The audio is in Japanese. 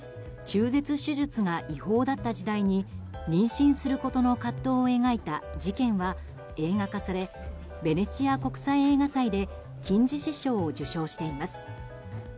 中絶手術が違法だった時代に妊娠することの葛藤を抱いた「事件」は映画化されベネチア国際映画祭で金獅子賞を受賞しています。